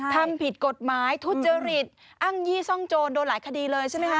ทำผิดกฎหมายทุจริตอ้างยี่ซ่องโจรโดนหลายคดีเลยใช่ไหมคะ